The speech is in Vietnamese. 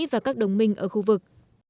và các đồng minh ở khu vực